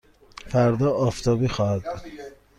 فردا آفتابی خواهد بود.